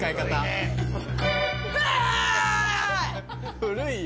古いよ。